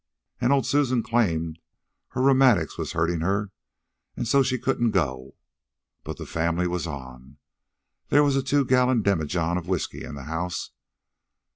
An' old Susan claimed her rheumatics was hurtin' her an' so she couldn't go. But the family was on. There was a two gallon demijohn of whisky in the house.